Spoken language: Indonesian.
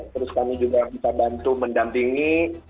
terus kami juga bisa bantu mendampingi